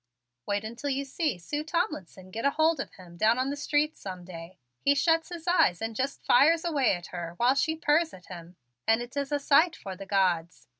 Wait until you see Sue Tomlinson get hold of him down on the street some day. He shuts his eyes and just fires away at her while she purrs at him, and it is a sight for the gods.